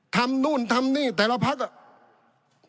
ทำนู่นนี่แต่ละภัคดิ์